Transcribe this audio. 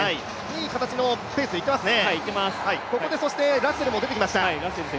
いい形のペースでいっていますね。